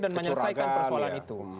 dan menyelesaikan persoalan itu